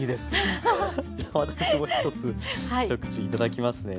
じゃあ私も一つ一口いただきますね。